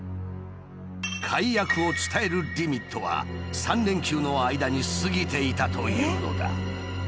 解約を伝えるリミットは３連休の間に過ぎていたというのだ。